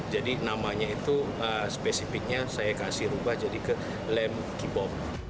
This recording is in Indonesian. jadi namanya itu spesifiknya saya kasih rubah jadi ke lem kibok